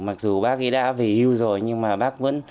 mặc dù bác ấy đã về hưu rồi nhưng mà bác vẫn